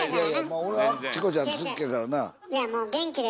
まあ俺チコちゃん好きやからな。